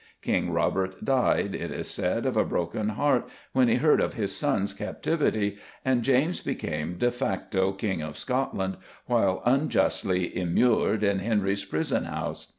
King Robert died, it is said, of a broken heart when he heard of his son's captivity, and James became de facto King of Scotland while unjustly immured in Henry's prison house.